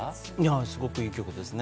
すごくいい曲ですね。